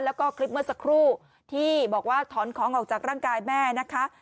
แล้วก็คลิปเมื่อสักครู่ที่บอกว่าถอนของออกจากร่างกายแม่นะคะ